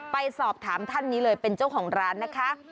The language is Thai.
ไปสอบถามท่านนี้เลยเป็นเจ้าของร้านนะคะ